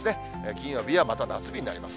金曜日はまた夏日になります。